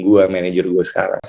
itu juga manager gue sekarang